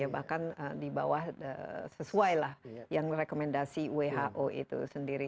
bahkan di bawah sesuai lah yang rekomendasi who itu sendiri